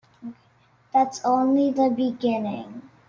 That's only the beginning.